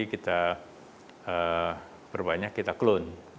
kita berbanyak kita clone